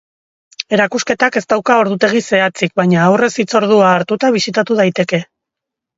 Erakusketak ez dauka ordutegi zehatzik baina aurrez hitzordua hartuta bisitatu daiteke.